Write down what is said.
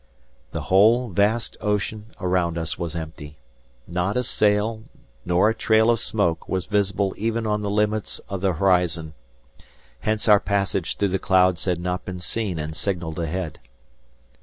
The whole vast ocean around us was empty. Not a sail nor a trail of smoke was visible even on the limits of the horizon. Hence our passage through the clouds had not been seen and signaled ahead.